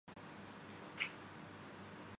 بہت سے لوگ محض اپنا وطن اپنی جان سے پیا را